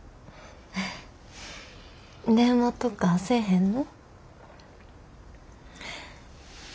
電話とかせえへんの？